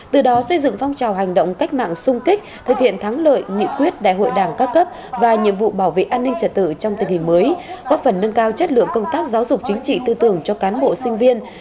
từ đó xây dựng phong trào hành động cách mạng sung kích thực hiện thắng lợi nghị quyết đại hội đảng các cấp và nhiệm vụ bảo vệ an ninh trật tự trong tình hình mới góp phần nâng cao chất lượng công tác giáo dục chính trị tư tưởng cho cán bộ sinh viên